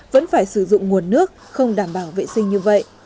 vẫn phải sử dụng nguồn nước không đảm bảo vệ sinh như vậy